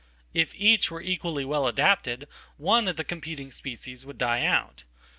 If each were equally well adaptedone of the competing species would die out.